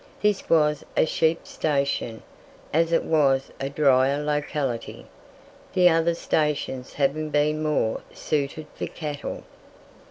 This was a sheep station, as it was a drier locality, the other stations having been more suited for cattle.